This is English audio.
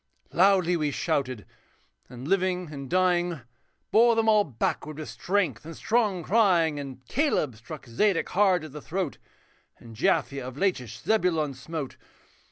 Loudly we shouted, and living and dying. Bore them all backward with strength and strong crying; And Caleb struck Zedek hard at the throat, And Japhia of Lachish Zebulon smote.